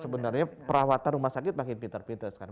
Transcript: sebenarnya perawatan rumah sakit makin pintar pintar sekarang